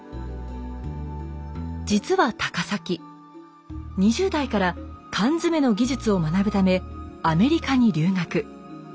実は高碕２０代から缶詰の技術を学ぶためアメリカに留学。